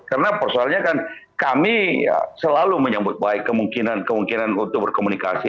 karena persoalannya kan kami selalu menyambut baik kemungkinan kemungkinan untuk berkomunikasi